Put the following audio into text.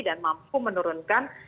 dan mampu menurunkan